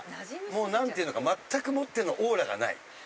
もう何ていうのか全くもってのオーラがない。